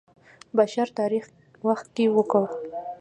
بشر تاریخ وخت کې وکړ.